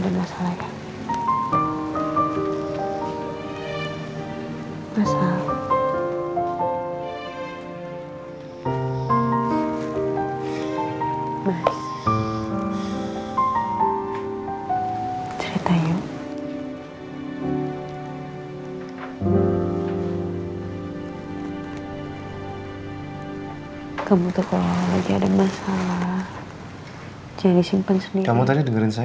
kamu tuh ada masalah jadi simpan sendiri kamu tadi dengerin saya